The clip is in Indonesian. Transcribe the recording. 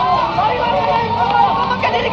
agency ini kenapa berkeliling